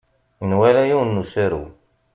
Nwala yiwen n usaru.